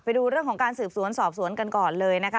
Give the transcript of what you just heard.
ไปดูเรื่องของการสืบสวนสอบสวนกันก่อนเลยนะคะ